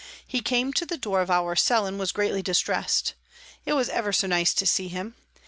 He came to the door of our cell and was greatly distressed. It was ever so nice to see him.